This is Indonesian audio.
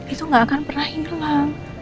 itu gak akan pernah hilang